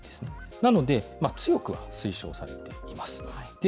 なので、強くは推奨されています。